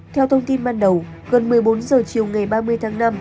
theo thông tin ban đầu gần một mươi bốn h chiều ngày ba mươi tháng năm